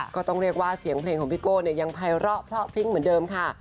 ก็ต้องเรียกว่าเสียงเพลงของพี่โก้ยังไพร้อเพราะพริ้งเหมือนเดิมค่ะ